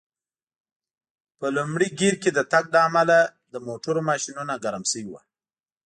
په لومړي ګېر کې د تګ له امله د موټرو ماشینونه ګرم شوي و.